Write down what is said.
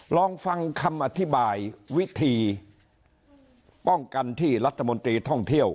ลองฟังคำอธิบายวิธีป้องกันที่รัฐมนตรีท่องเที่ยว